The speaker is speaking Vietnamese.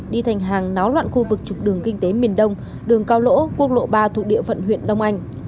đi thành hàng náo loạn khu vực trục đường kinh tế miền đông đường cao lỗ quốc lộ ba thuộc địa phận huyện đông anh